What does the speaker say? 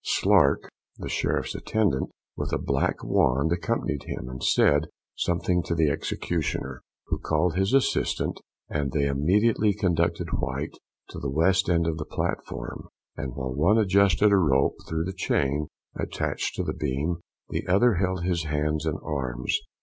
Slark, the Sheriff's attendant, with a black wand, accompanied him, and said something to the executioner, who called his assistant, and they immediately conducted White to the west end of the platform, and while one adjusted a rope through the chain attached to the beam, the other held his hands and arms.